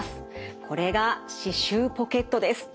これが歯周ポケットです。